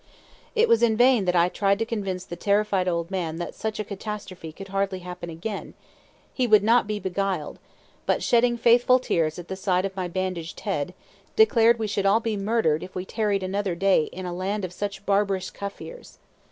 It was in vain that I tried to convince the terrified old man that such a catastrophe could hardly happen again; he would not be beguiled, but, shedding faithful tears at the sight of my bandaged head, declared we should all be murdered if we tarried another day in a land of such barbarous Kafirs.